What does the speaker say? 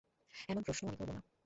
এমন প্রশ্নও আমি করব না।